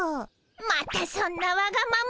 またそんなわがままを。